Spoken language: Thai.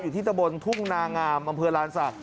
อยู่ที่ตะบนทุ่งนางามอำเภอลานซะ